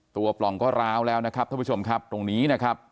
ปล่องก็ร้าวแล้วนะครับท่านผู้ชมครับตรงนี้นะครับ